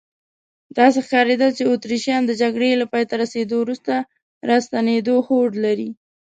داسې ښکارېدل چې اتریشیان د جګړې له پایته رسیدو وروسته راستنېدو هوډ لري.